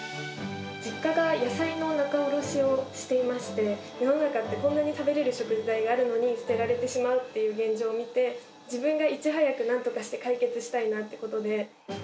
実家が野菜の仲卸をしていまして、世の中って、こんなに食べれる食材があるのに、捨てられてしまうっていう現状を見て、自分がいち早く、なんとかして解決したいなってことで。